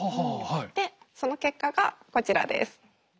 でその結果がこちらです。